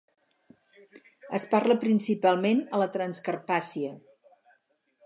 Es parla principalment a la Transcarpàcia.